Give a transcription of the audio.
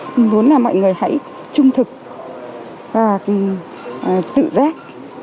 tôi muốn là mọi người hãy trung thực và tự giác